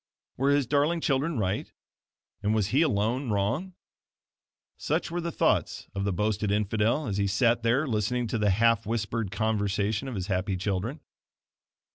Were his darling children right, and was he alone wrong? Such were the thoughts of the boasted infidel, as he sat there listening to the half whispered conversation of his happy children.